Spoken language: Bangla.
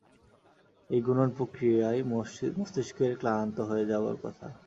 এই গুণন প্রক্রিয়ায় মস্তিষ্কের ক্লান্ত হয়ে যাবার কথা।